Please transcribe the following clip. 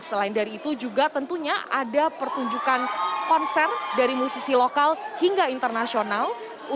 selain dari itu juga tentunya ada pertunjukan konser dari musisi lokal hingga internasional